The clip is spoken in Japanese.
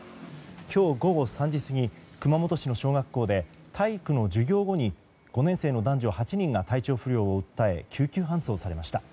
今日午後３時過ぎ熊本市の小学校で体育の授業後に５年生の男女８人が体調不良を訴え救急搬送されました。